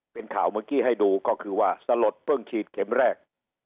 เป็นข่าวเมื่อกี้ให้ดูก็คือว่าสลดเพิ่งฉีดเข็มแรก